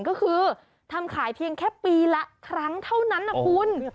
ก็คือทำขายเพียงแค่ปีละครั้งเท่านั้นนะคุณ